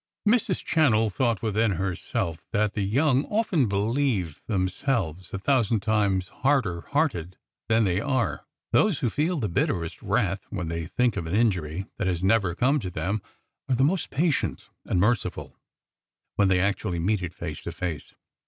Mrs. Channell thought within herself that the young often believe themselves a thousand times harder hearted than they are. Those who feel the bitterest wrath when they think of an injury that has never come to them are the most patient and merciful when they actually meet it face to face.